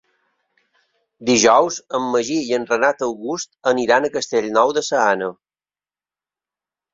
Dijous en Magí i en Renat August aniran a Castellnou de Seana.